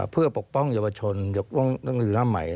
เพื่อปกป้องเยาวชนปกป้องตัวอย่างหน้าใหม่